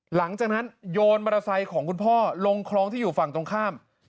หลังจากนั้นโยนมอเตอร์ไซค์ของคุณพ่อลงคลองที่อยู่ฝั่งตรงข้าม